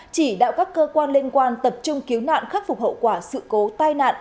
chỉ đạo các cơ quan liên quan tập trung cứu nạn khắc phục hậu quả sự cố tai nạn